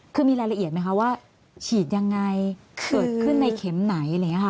คือมีรายละเอียดไหมคะว่าฉีดยังไงเกิดขึ้นในเข็มไหน